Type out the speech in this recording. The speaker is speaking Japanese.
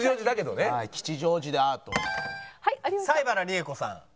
西原理恵子さん。